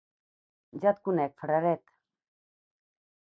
Ja et conec, fraret!